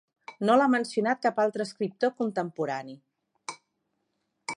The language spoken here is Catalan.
No l'ha mencionat cap altre escriptor contemporani.